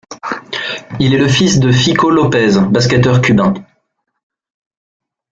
Il est le fils de Fico López, basketteur cubain.